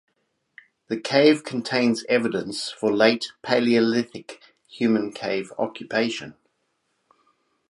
The cave contains evidence for late Paleolithic human cave occupation.